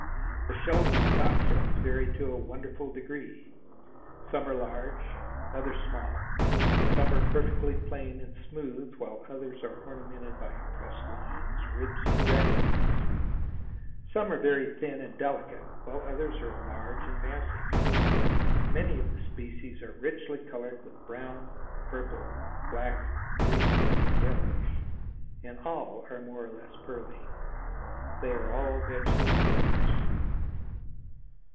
The shells of the top shells vary to a wonderful degree; some are large, others small; some are perfectly plain and smooth while others are ornamented by impressed lines, ribs and granules, some are very thin and delicate while others are large and massive. Many of the species are richly colored with brown, purple, black, green and yellowish, and all are more or less pearly. They are all vegetable eaters.